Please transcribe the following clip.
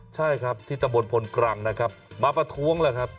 ใช่ครับที่ตะบนพลกรังนะครับมาประท้วงแล้วครับ